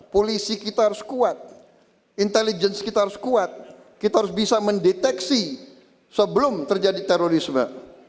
polisi kita harus kuat intelligence kita harus kuat kita harus bisa mendeteksi sebelum terjadi terorisme